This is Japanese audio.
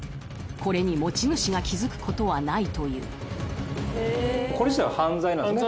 これに持ち主が気づくことはないという犯罪ですね。